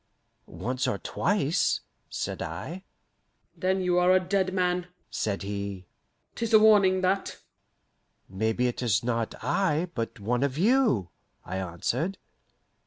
"Once or twice," said I. "Then you are a dead man," said he; "'tis a warning, that!" "Maybe it is not I, but one of you," I answered.